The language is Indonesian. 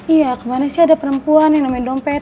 iya kemarin sih ada perempuan yang namanya dompet